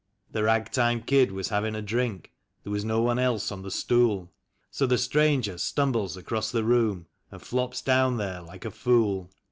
The rag time kid was having a drink ; there was no one else on the stool, So the stranger stumbles across the room, and flops down there like a fool.